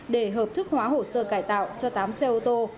để hợp thức hóa hồ sơ cải tạo cho tám xe ô tô